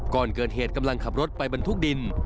ก่อนเกิดเหตุกำลังขับรถไปบรรทุกดิน